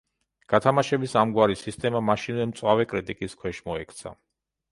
გათამაშების ამგვარი სისტემა მაშინვე მწვავე კრიტიკის ქვეშ მოექცა.